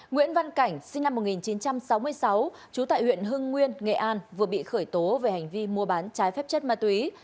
nguyễn văn cảnh sinh năm một nghìn chín trăm sáu mươi sáu trú tại huyện hưng nguyên nghệ an vừa bị khởi tố về hành vi mua bán trái phép chất ma túy